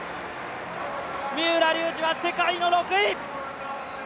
三浦龍司は世界の６位！